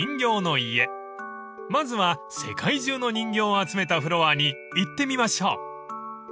［まずは世界中の人形を集めたフロアに行ってみましょう］